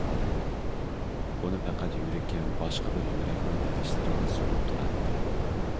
بۇنى پەقەت يۈرىكىم باشقا بىر يۈرەكنىڭ تىۋىشلىرىغا سۇنۇپ تۇراتتى.